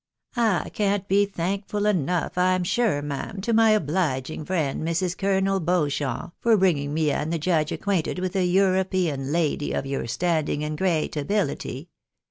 " I can't be thankful enough, I'm sure, ma'am, to my obliging friend Mrs. Colonel Beauchamp, for bringing me and the Judge acquainted with a European lady of your standing and great ability.